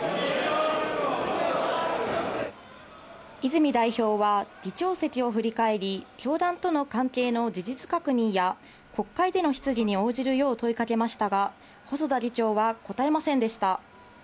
泉代表は、議長席を振り返り、教団との関係の事実確認や、国会での質疑に応じるよう問いかけましたが、細田議長は答えませんでした。